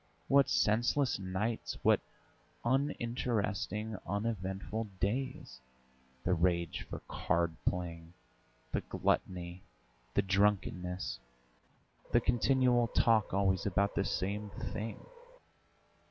What senseless nights, what uninteresting, uneventful days! The rage for card playing, the gluttony, the drunkenness, the continual talk always about the same thing.